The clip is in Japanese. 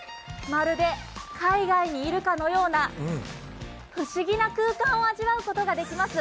まるで海外にいるかのような不思議な空間を味わうことができます。